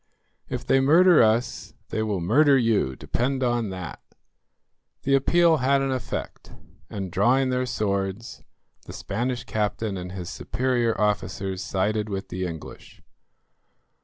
"If they murder us they will murder you, depend on that." The appeal had an effect, and, drawing their swords, the Spanish captain and his superior officers sided with the English.